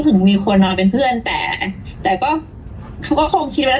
เพราะว่าคุณพ่อพูดบริของเขาออกอากาศได้ด้วย